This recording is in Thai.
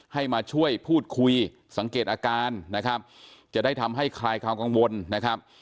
ให้มาช่วยพูดคุยสังเกตอาการนะครับจะได้ทำให้คลายความกังวลนะครับ